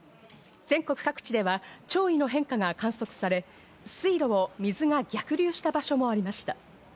全国各地では潮位の変化が観測され、水路を水が逆流した場所もありました。